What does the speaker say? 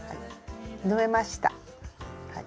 縫えました。